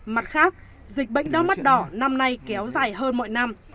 mặt khác dịch bệnh đau mắt đỏ năm nay kéo dài hơn mọi năm